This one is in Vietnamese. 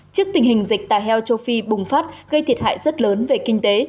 trước tình hình dịch tà heo châu phi bùng phát gây thiệt hại rất lớn về kinh tế